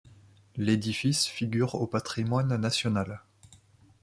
L'édifice figure au patrimoine national.